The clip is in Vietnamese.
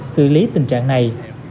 xử lý tình trạng này